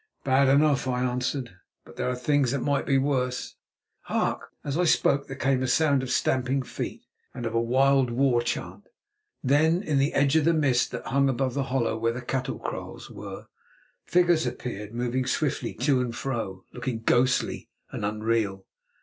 "Bad enough," I answered, "but there are things that might be worse. Hark!" As I spoke there came a sound of stamping feet and of a wild war chant. Then in the edge of the mist that hung above the hollow where the cattle kraals were, figures appeared, moving swiftly to and fro, looking ghostly and unreal.